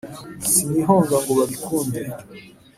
sinihonga ngo babikunde